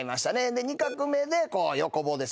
２画目で横棒ですね。